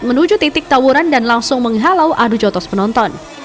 menuju titik tawuran dan langsung menghalau adu jotos penonton